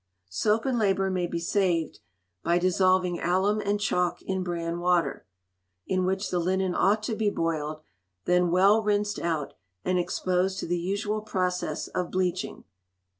Soap and labour may he saved by dissolving alum and chalk in bran water, in which the linen ought to be boiled, then well rinsed out, and exposed to the usual process of bleaching.